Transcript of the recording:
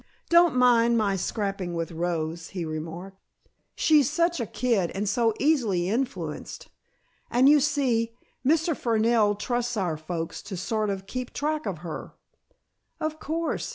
"Don't mind my scrapping with Rose," he remarked. "She's such a kid and so easily influenced. And you see, Mr. Fernell trusts our folks to sort of keep track of her." "Of course.